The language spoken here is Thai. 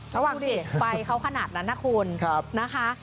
จุดดิไปเขาขนาดนั้นนะคุณนะคะคับ